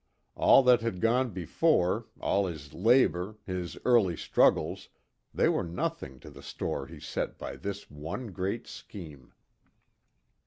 All that had gone before, all his labor, his early struggles, they were nothing to the store he set by this one great scheme.